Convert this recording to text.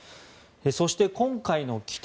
そして、今回の機体